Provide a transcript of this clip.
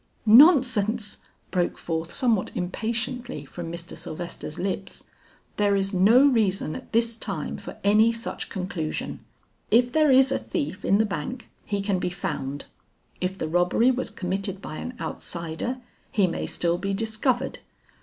"Nonsense!" broke forth somewhat impatiently from Mr. Sylvester's lips; "there is no reason at this time for any such conclusion. If there is a thief in the bank he can be found; if the robbery was committed by an outsider, he may still be discovered.